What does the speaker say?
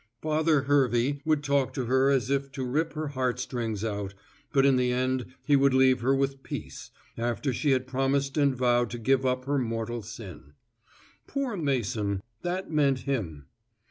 Father Hervey would talk to her as if to rip her heart strings out, but in the end he would leave her with peace, after she had promised and vowed to give up her mortal sin. Poor Mason, that meant him.